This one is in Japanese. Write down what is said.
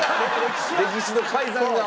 歴史の改ざんが。